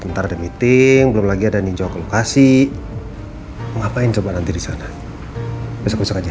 ntar ada meeting belum lagi ada nijauh ke lokasi ngapain coba nanti di sana besok besok aja ya